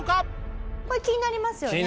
これ気になりますよね？